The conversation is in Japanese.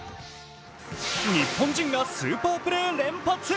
日本人がスーパープレー連発。